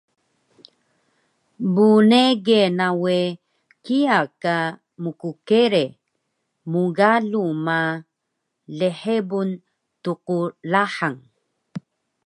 Bnege na we kiya ka mkkere, mgalu ma, lhebun tqlahang